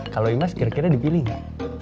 kalau imas kira kira dipilih nggak